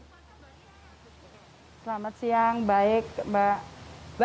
selamat siang baik mbak